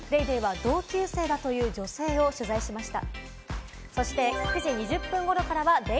『ＤａｙＤａｙ．』は同級生だという女性を取材しました。